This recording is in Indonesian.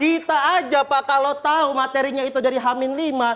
kita aja pak kalau tahu materinya itu dari hamin lima